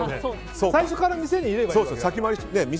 最初から店にいればいいわけで。